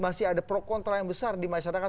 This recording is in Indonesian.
masih ada pro kontra yang besar di masyarakat